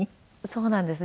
そうなんです。